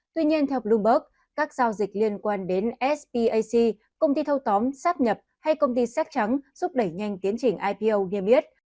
tuy nhiên theo bloomberg các giao dịch liên quan đến spac công ty thâu tóm sáp nhập hay công ty sát trắng giúp đẩy nhanh tiến trình ipo nghiêm yết